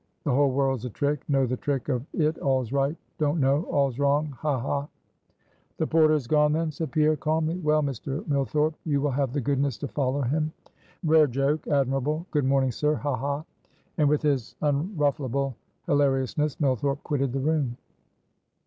the whole world's a trick. Know the trick of it, all's right; don't know, all's wrong. Ha! ha!" "The porter is gone then?" said Pierre, calmly. "Well, Mr. Millthorpe, you will have the goodness to follow him." "Rare joke! admirable! Good morning, sir. Ha, ha!" And with his unruffleable hilariousness, Millthorpe quitted the room.